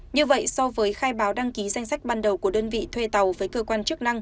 như vậy so với khai báo đăng ký danh sách ban đầu của đơn vị thuê tàu với cơ quan chức năng